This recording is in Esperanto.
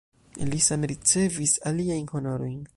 Li same ricevis aliajn honorojn.